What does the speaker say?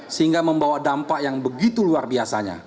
sehingga membawa dampak yang begitu luar biasanya